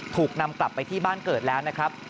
ถูกนำกลับไปที่บ้านเกิดแล้วนะครับ